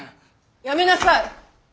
やめなさい！